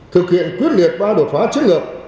thực hiện quyết liệt ba đột phá chất lượng